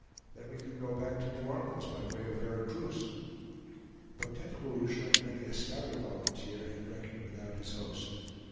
Then we could go back to New Orleans by way of Vera Cruz." But Tete Rouge, like many a stouter volunteer, had reckoned without his host.